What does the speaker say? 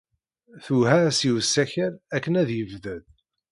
Twehha-as i usakal akken ad yebded.